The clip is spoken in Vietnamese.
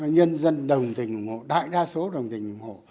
nhân dân đồng tình ủng hộ đại đa số đồng tình ủng hộ